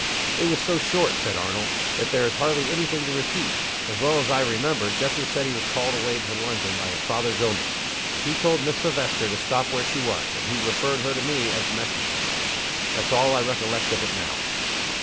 "It was so short," said Arnold, "that there is hardly any thing to repeat. As well as I remember, Geoffrey said he was called away to London by his father's illness. He told Miss Silvester to stop where she was; and he referred her to me, as messenger. That's all I recollect of it now."